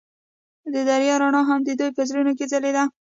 د دریا رڼا هم د دوی په زړونو کې ځلېده.